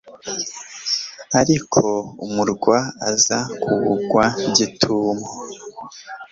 ariko umurwa aza kuwugwa gitumo